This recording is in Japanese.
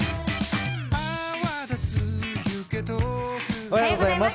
おはようございます。